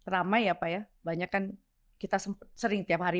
ramai ya pak ya banyak kan kita sering tiap hari